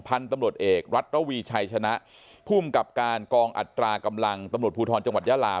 พันธุ์ตำรวจเอกรัฐระวีชัยชนะภูมิกับการกองอัตรากำลังตำรวจภูทรจังหวัดยาลา